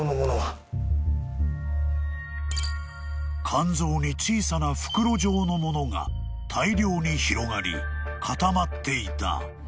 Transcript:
［肝臓に小さな袋状のものが大量に広がり固まっていた］